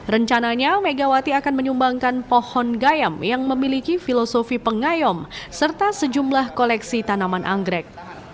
rencananya megawati akan menyumbangkan pohon gayam yang memiliki filosofi pengayom serta sejumlah koleksi tanaman anggrek